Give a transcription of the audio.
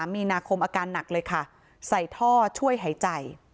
มีนาคมอาการหนักเลยค่ะใส่ท่อช่วยหายใจ